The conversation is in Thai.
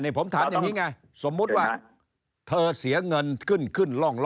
อเจมส์ผมถามแบบนี้ไงสมมุติว่าเธอเสียเงินขึ้นล่อง